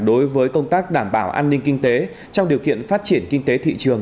đối với công tác đảm bảo an ninh kinh tế trong điều kiện phát triển kinh tế thị trường